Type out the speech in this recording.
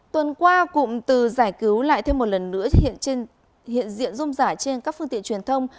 tuần qua cụm từ giải cứu lại thêm một lần nữa hiện diện rung rải trên các phương tiện truyền thông